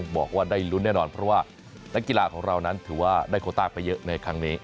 บอกว่าได้ลุ้นแน่นอนเพราะว่านักกีฬาของเรานั้นถือว่าได้โคต้าไปเยอะในครั้งนี้